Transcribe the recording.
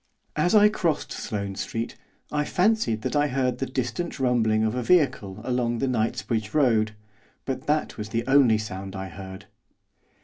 As I crossed Sloane Street, I fancied that I heard the distant rumbling of a vehicle along the Knightsbridge Road, but that was the only sound I heard.